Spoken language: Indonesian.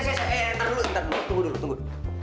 eh eh eh eh ntar dulu ntar dulu tunggu dulu tunggu